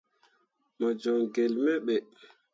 Mo joŋ gelle me ɓe.